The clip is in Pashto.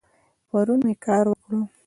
پرون می کار وکړ